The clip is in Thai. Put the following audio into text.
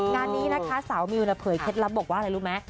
งานนี้นะคะสาวมิวเผยเคล็ดลับบอกว่าอะไรรู้ไหม